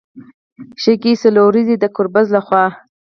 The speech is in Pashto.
ښکې څلوريزه د ګربز له خوا